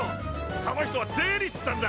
その人は税理士さんだ。